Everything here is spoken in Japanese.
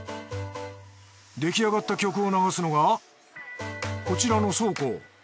できあがった曲を流すのがこちらの倉庫。